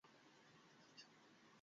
পিতার হৃদয়ে আনন্দের নহর বইয়ে দিতেন।